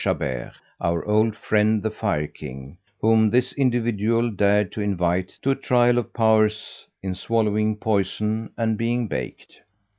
Chabert, our old friend the Fire King, whom this individual dared to invite to a trial of powers in swallowing poison and being baked!